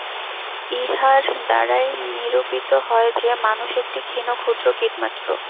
ইহার দ্বারাই নিরূপিত হয় যে, মানুষ একটি ক্ষীণ ক্ষুদ্র কীটমাত্র।